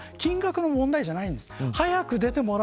だから金額の問題じゃないんです。